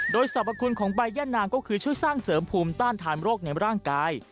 โดยสรรพคุณของใบย่านางก็คือช่วยสร้างเสริมภูมิต้านทานโรคในร่างกาย